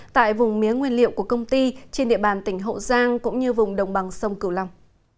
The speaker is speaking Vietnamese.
tại vùng mía nguyên liệu của công ty trên địa bàn tỉnh hậu giang cũng như vùng đồng bằng sông cửu long